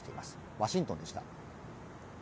ワシントンでした。